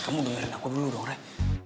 kamu dengerin aku dulu dong rek